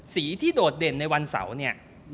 สีที่โดดเด่นในวันเสาร์เนี่ย